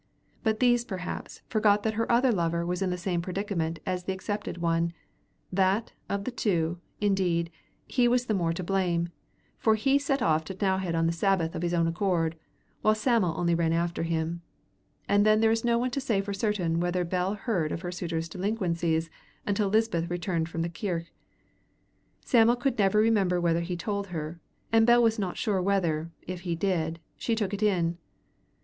But these perhaps forgot that her other lover was in the same predicament as the accepted one that, of the two, indeed, he was the more to blame, for he set off to T'nowhead on the Sabbath of his own accord, while Sam'l only ran after him. And then there is no one to say for certain whether Bell heard of her suitors' delinquencies until Lisbeth's return from the kirk. Sam'l could never remember whether he told her, and Bell was not sure whether, if he did, she took it in.